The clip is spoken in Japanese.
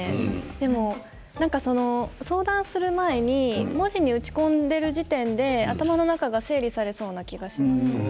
でも相談する前に文字に打ち込んでいる時点で頭の中が整理されそうな気がします。